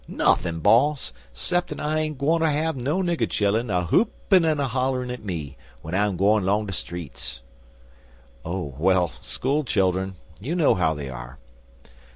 "Nothin', boss, 'ceppin I ain't gwineter hav' no nigger chillun a hoopin' an' a hollerin' at me w'en I'm gwine long de streets." "Oh, well, school children you know how they are.